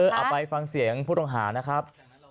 เอาไปฟังเสียงผู้ต้องหานะครับ